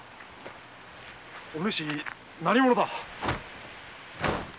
お主何者だ？